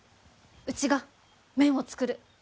うちが麺を作る。